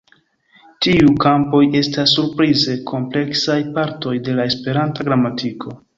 Tiuj kampoj estas surprize kompleksaj partoj de la Esperanta gramatiko.